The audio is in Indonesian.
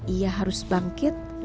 ia harus bangkit